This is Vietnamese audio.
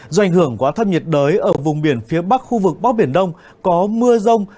do ảnh hưởng của áp thấp nhiệt đới ở vùng biển phía bắc khu vực bắc biển đông có mưa rông